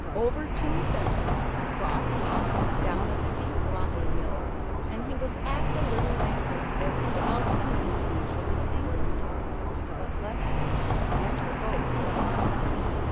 Over two fences, across lots, down a steep, rocky hill, and he was at the little landing where the Cloud canoe usually anchored. But Leslie and her boat were gone.